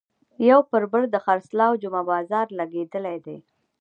یو پر بل د خرڅلاو جمعه بازار لګېدلی دی.